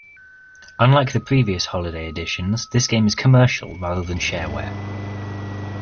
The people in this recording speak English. Unlike the previous holiday editions, this game is commercial rather than shareware.